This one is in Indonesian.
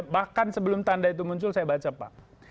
bahkan sebelum tanda itu muncul saya baca pak